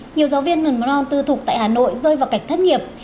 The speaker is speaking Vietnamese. nhiều giáo viên nền môn non tư thục tại hà nội rơi vào cạch thất nghiệp